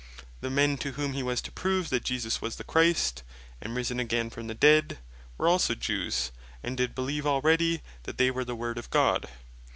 The men, to whom he was to prove that Jesus was the Christ, and risen again from the dead, were also Jews, and did beleeve already, that they were the Word of God.